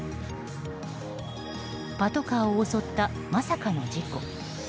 パトカーを襲ったまさかの事故。